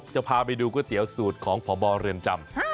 จะพาไปดูก๋วยเตี๋ยวสูตรของพบเรือนจำ